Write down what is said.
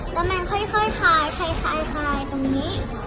แต่มันค่อยขายแค่ตรงนี้